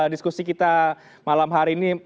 diskusi kita malam hari ini